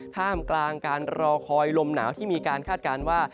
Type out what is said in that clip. ท่ามกลางการรอคอยลมหนาวที่มีการคาดการณ์ว่า